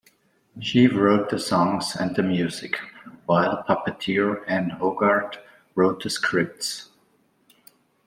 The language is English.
She wrote the songs and the music, while puppeteer Ann Hogarth wrote the scripts.